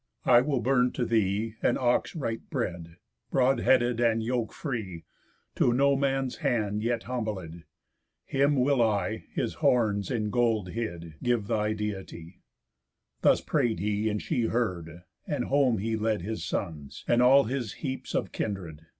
I will burn to thee An ox right bred, broad headed, and yoke free, To no man's hand yet humbled. Him will I, His horns in gold hid, give thy Deity." Thus pray'd he, and she heard; and home he led His sons, and all his heaps of kindered.